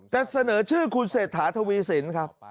แต่เสนอชื่อคุณเศรษฐาทวีสินครับ